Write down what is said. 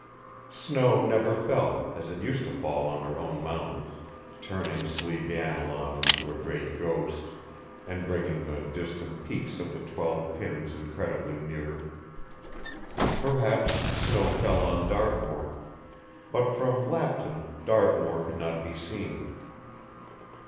Snow never fell, as it used to fall on her own mountains, turning Slieveannilaun into a great ghost, and bringing the distant peaks of the Twelve Pins incredibly nearer. Perhaps snow fell on Dartmoor; but from Lapton Dartmoor could not be seen.